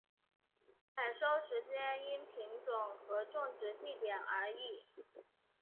采收时间因品种和种植地点而异。